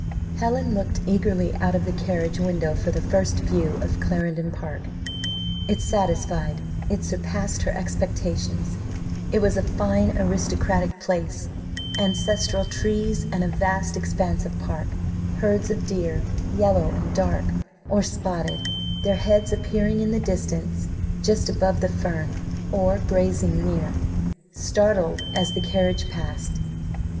Helen looked eagerly out of the carriage window for the first view of Clarendon Park. It satisfied it surpassed her expectations. It was a fine, aristocratic place: ancestral trees, and a vast expanse of park; herds of deer, yellow and dark, or spotted, their heads appearing in the distance just above the fern, or grazing near, startled as the carriage passed.